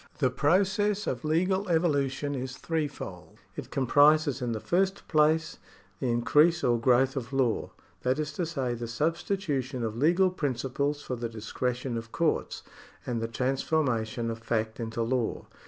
The process of legal evolution is threefold. It comprises in the first place the increase or growth of law — that is to say, the substitution of legal principles for the discretion of courts, and the transformation of fact into law.